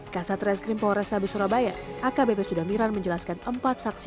ksatreskrim polres sabes surabaya akbp sudamiran menjelaskan empat saksi